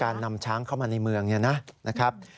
นำช้างเข้ามาในเมืองเนี่ยนะครับ